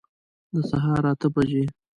د سهار اته بجي